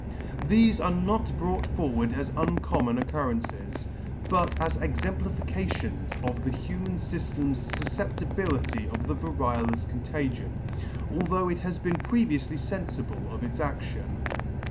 Thefe are not brought forward as uncommon occurrences, but as exemplifications of the human fyftem's fufceptibility of the variolous contagion, although it has been previoufly fenfible of its a&ion.